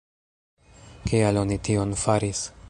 Kial oni tion faris?